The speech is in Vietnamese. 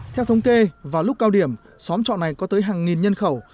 theo thống kê vào lúc cao điểm xóm trọ này có tới hàng nghìn nhân khẩu